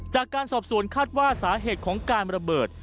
จากการสอบสวนคาดว่าสาเหตุของการระเบิด